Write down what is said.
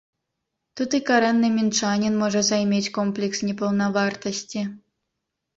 Тут і карэнны мінчанін можа займець комплекс непаўнавартасці.